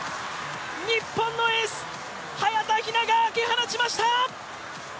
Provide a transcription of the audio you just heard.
日本のエース・早田ひなが開け放ちました！